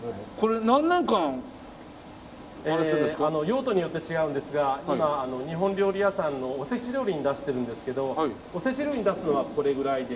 用途によって違うんですが今日本料理屋さんのおせち料理に出してるんですけどおせち料理に出すのはこれぐらいで。